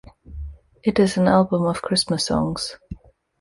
It is an album of Christmas songs.